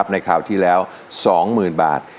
ในข่าวที่แล้ว๒๐๐๐๐บาท